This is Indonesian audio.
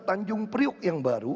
tanjung priuk yang baru